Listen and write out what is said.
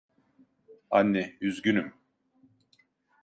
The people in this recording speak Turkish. Anne, üzgünüm.